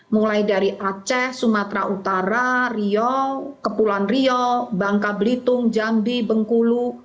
mulai dari aceh sumatera utara riau kepulauan rio bangka belitung jambi bengkulu